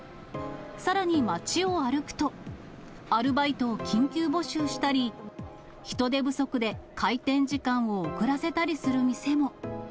さらに街を歩くと、アルバイトを緊急募集したり、人手不足で開店時間を遅らせたりする店も。